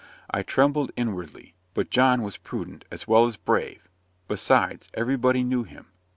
I trembled inwardly. But John was prudent, as well as brave: besides, "everybody knew him."